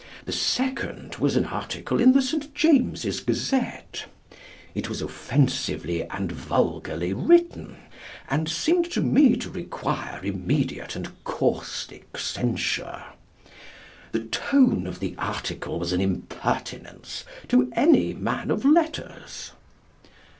The second was an article in the St. James's Gazette. It was offensively and vulgarly written, and seemed to me to require immediate and caustic censure. The tone of the article was an impertinence to any man of letters.